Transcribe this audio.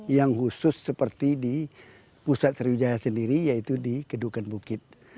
yang khusus seperti di pusat sriwijaya sendiri yaitu di kedukan bukit